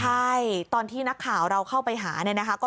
ใช่ตอนที่นักข่าวเราเข้าไปหาเนี่ยนะคะ